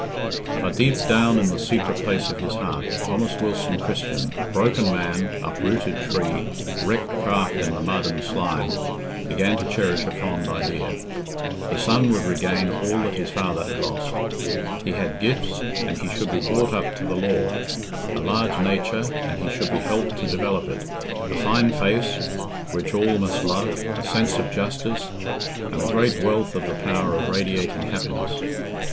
But deep down in the secret place of his heart, Thomas Wilson Christian, broken man, uprooted tree, wrecked craft in the mud and slime, began to cherish a fond idea. The son would regain all that his father had lost! He had gifts, and he should be brought up to the law; a large nature, and he should be helped to develop it; a fine face which all must love, a sense of justice, and a great wealth of the power of radiating happiness.